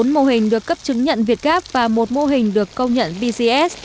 bốn mô hình được cấp chứng nhận việt gáp và một mô hình được công nhận bcs